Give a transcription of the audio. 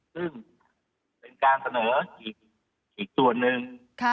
ซึ่งเป็นการเสนออีกส่วนหนึ่ง